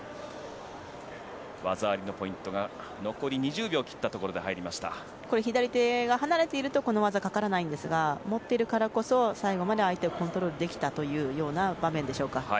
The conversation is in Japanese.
技ありのポイントが残り２０秒切ったところでこの左手が外れているとこの技はかからないんですが持っているからこそ最後まで相手をコントロールできたというような場面でしょうか。